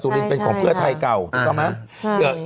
ลินเป็นของเพื่อไทยเก่าถูกต้องไหม